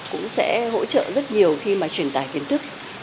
cũng sẽ hỗ trợ rất nhiều khi mà truyền tải kiến thức